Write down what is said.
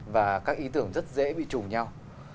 và các ý tưởng rất dễ bị trùng nhau